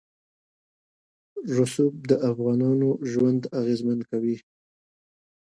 رسوب د افغانانو ژوند اغېزمن کوي.